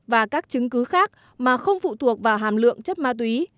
và các chứng cứ khác mà không phụ thuộc vào hàm lượng chất ma túy